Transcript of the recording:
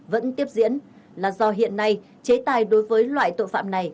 vẫn tiếp diễn là do hiện nay chế tài đối với loại tội phạm này